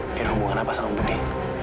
dia ada hubungan apa sama budi